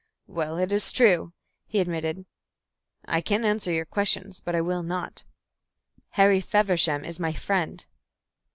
"Well, it is true," he admitted. "I can answer your questions, but I will not." "Harry Feversham is my friend."